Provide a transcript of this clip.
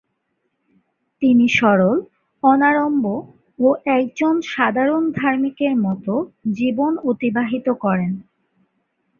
তিনি সরল, অনাড়ম্বর ও একজন সাধারণ ধার্মিকের মতো জীবন অতিবাহিত করেন।